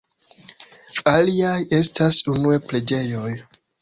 Aliaj estas unue preĝejoj.